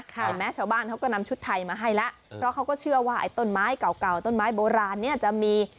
เห็นไหมชาวบ้านเขาก็นำชุดไทยมาให้แล้วเพราะเขาก็เชื่อว่าไอ้ต้นไม้เก่าเก่าต้นไม้โบราณเนี่ยจะมี